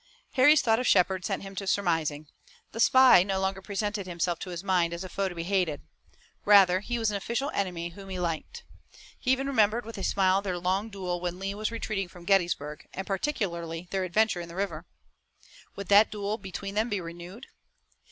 Harry's thought of Shepard set him to surmising. The spy no longer presented himself to his mind as a foe to be hated. Rather, he was an official enemy whom he liked. He even remembered with a smile their long duel when Lee was retreating from Gettysburg, and particularly their adventure in the river. Would that duel between them be renewed?